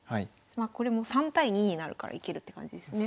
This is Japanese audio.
これも３対２になるからいけるって感じですね。